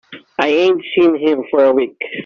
I ain't seen him for a week.